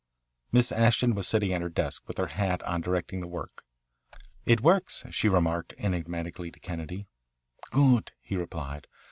Miss Ashton was sitting at her desk with her hat on directing the work. "It works," she remarked enigmatically to Kennedy. "Good," he replied.